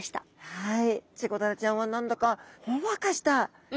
はい。